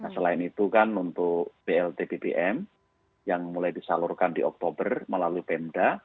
selain itu kan untuk blt bbm yang mulai disalurkan di oktober melalui pemda